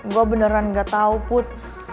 gue beneran gak tau put